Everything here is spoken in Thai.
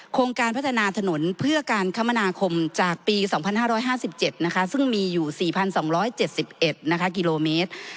โครงการพัฒนาถนนเพื่อการคมนาคมจากปี๒๕๕๗ซึ่งมีอยู่๔๒๗๑กิโลเมตร